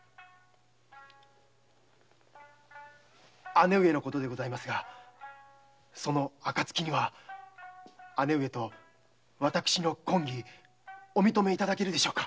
姉上のことでございますがその暁には姉上と私の婚儀お認めいただけるでしょうか？